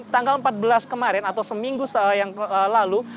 tanggal empat belas kemarin atau seminggu yang lalu